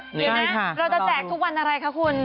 ใช่ค่ะเราจะแจกทุกวันอะไรคะคุณ